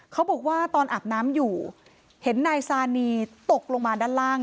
เขาบอกว่าตอนอาบน้ำอยู่เห็นนายซานีตกลงมาด้านล่าง